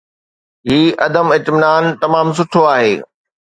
هي عدم اطمينان تمام سٺو آهي.